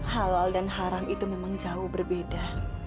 halal dan haram itu memang jauh berbeda